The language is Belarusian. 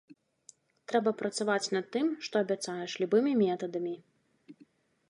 Трэба працаваць над тым, што абяцаеш, любымі метадамі.